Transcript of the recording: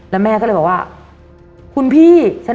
แล้วแม่ก็เลยบอกว่า